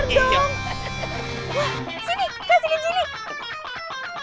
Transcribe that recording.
dong sini kasih ke sini ambillah